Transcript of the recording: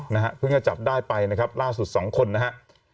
นะฮะเพิ่งจะจับได้ไปนะครับล่าสุดสองคนนะฮะ